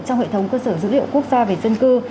trong hệ thống cơ sở dữ liệu quốc gia về dân cư